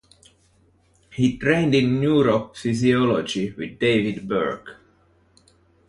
He trained in neurophysiology with David Burke.